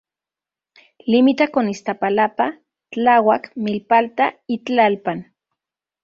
Limita con Iztapalapa, Tláhuac, Milpa Alta y Tlalpan.